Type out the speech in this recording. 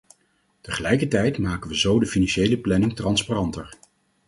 Tegelijkertijd maken we zo de financiële planning transparanter.